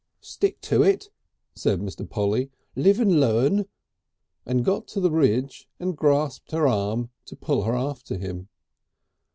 "Stick to it!" said Mr. Polly, "live and learn," and got to the ridge and grasped at her arm to pull her after him.